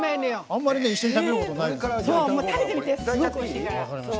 あんまり一緒に食べることないですよね。